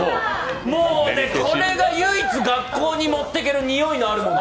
これが唯一、学校に持っていけるにおいのあるもの。